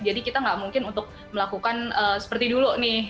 jadi kita nggak mungkin untuk melakukan seperti dulu nih